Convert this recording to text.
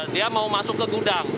dia mau masuk ke gudang